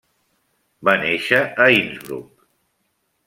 Va néixer a Innsbruck.